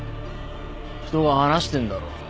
人が話してんだろ。